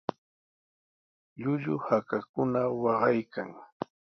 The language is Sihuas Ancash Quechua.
Llullu hakakuna waqaykan.